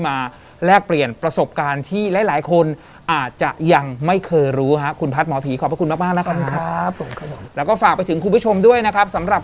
ไม้ไผ่ชื่อนุ่มอ่ะ